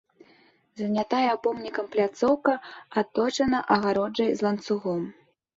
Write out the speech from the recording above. Занятая помнікам пляцоўка аточана агароджай з ланцугом.